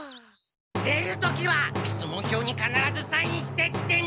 出る時は出門票にかならずサインしてってね！